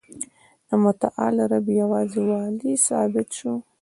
د متعال رب یوازي والی ثابت سو.